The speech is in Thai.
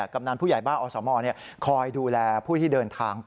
กำนันผู้ใหญ่บ้านอสมคอยดูแลผู้ที่เดินทาง